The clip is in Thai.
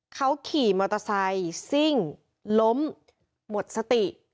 เขาขี่มอเตอร์ไซค์ซิ่งล้มหมดสติ